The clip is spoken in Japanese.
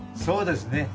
そうですね。